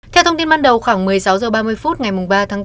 theo thông tin ban đầu khoảng một mươi sáu h ba mươi phút ngày ba tháng bốn